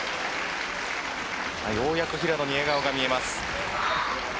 ようやく平野に笑顔が見えます。